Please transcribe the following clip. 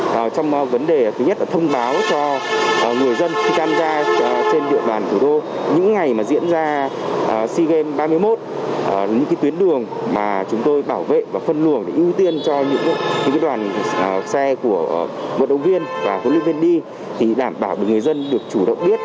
xe của vận động viên và huấn luyện viên đi thì đảm bảo được người dân được chủ động biết